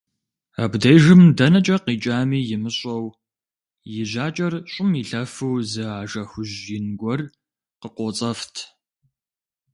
Абдежым дэнэкӀэ къикӀами имыщӀэу и жьакӀэр щӀым илъэфу зы ажэ хужь ин гуэр къыкъуоцӀэфт.